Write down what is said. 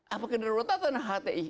apa kedaruratan atau hti